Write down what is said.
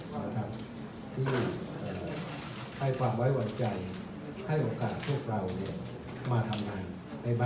ก็ต้องเรียนกับท่าสูตรประโยชน์ทุกท่านนะครับ